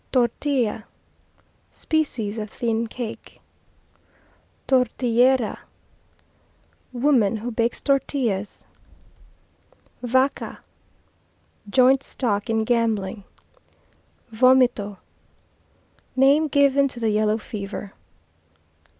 Tortilla Species of thin cake. Tortillera Woman who bakes tortillas. Vaca Joint stock in gambling. Vomito Name given to the yellow fever.